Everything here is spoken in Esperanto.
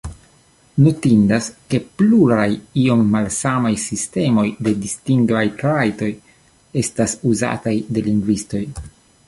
Notindas, ke pluraj iom malsamaj sistemoj de distingaj trajtoj estas uzataj de lingvistoj.